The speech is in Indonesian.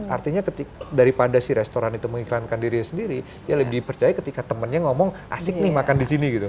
artinya daripada si restoran itu mengiklankan dirinya sendiri dia lebih dipercaya ketika temennya ngomong asik nih makan di sini gitu